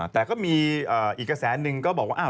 แต่ก็มีอีกแสนนึงก็บอกว่า